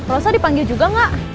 rosa dipanggil juga gak